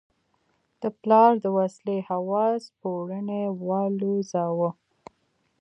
د پلار د وسلې هوس پوړونی والوزاوه.